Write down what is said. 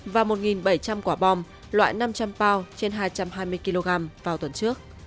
và một bảy trăm linh quả bom loại năm trăm linh bao trên hai trăm hai mươi kg vào tuần trước